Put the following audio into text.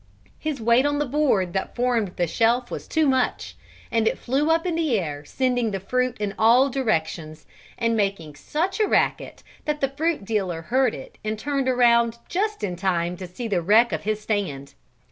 His weight on the board that formed the shelf was too much, and it flew up in the air sending the fruit in all directions and making such a racket that the fruit dealer heard it and turned around just in time to see the wreck of his stand.